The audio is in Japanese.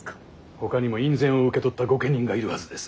ほかにも院宣を受け取った御家人がいるはずです。